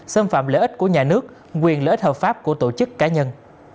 xâm phạm lợi ích của nhà nước quyền lợi ích hợp pháp của tổ chức cá nhân